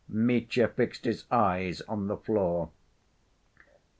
Mitya fixed his eyes on the floor.